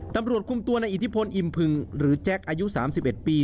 ตำรวจคุมตัวในอิทธิพลอิมพึงหรือแจ็คอายุ๓๑ปี